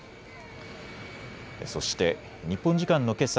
そして日本時間のけさ